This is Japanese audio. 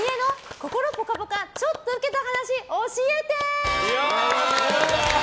心ぽかぽか、ちょっとウケた話教えて！